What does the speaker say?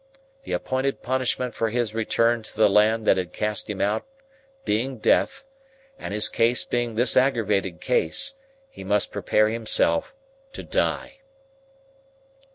The appointed punishment for his return to the land that had cast him out, being Death, and his case being this aggravated case, he must prepare himself to Die.